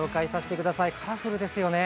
カラフルですよね。